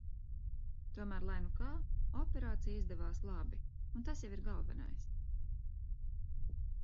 Tomēr lai nu kā, operācija izdevās labi un tas jau ir galvenais.